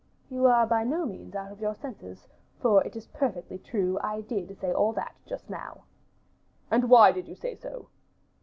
"You are by no means out of your senses, for it is perfectly true I did say all that just now." "And why did you say so?"